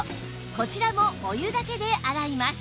こちらもお湯だけで洗います